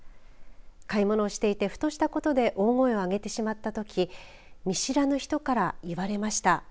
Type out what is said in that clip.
買い物をしていてふとしたことで大声を上げてしまったとき見知らぬ人から言われました。